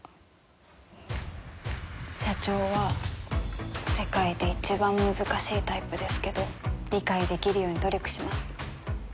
社長は世界で一番難しいタイプですけど理解できるように努力します。